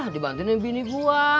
dibantuin nih bini gua